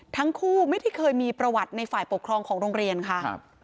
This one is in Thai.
ทั้งคู่ไม่ได้เคยมีประวัติในฝ่ายปกครองของโรงเรียนค่ะ